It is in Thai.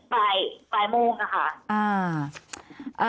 ปลายโมงนะคะอ่า